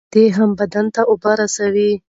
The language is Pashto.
شیدې هم بدن ته اوبه رسوي.